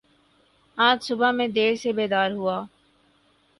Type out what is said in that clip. آج صبح میں دیر سے بیدار ہوا